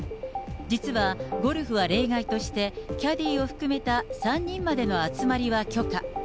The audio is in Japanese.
実はゴルフは例外として、キャディーを含めた３人までの集まりは許可。